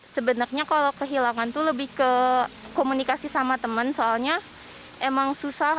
sebenarnya kalau kehilangan tuh lebih ke komunikasi sama teman soalnya emang susah